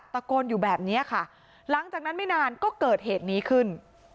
ตะโกนอยู่แบบนี้ค่ะหลังจากนั้นไม่นานก็เกิดเหตุนี้ขึ้น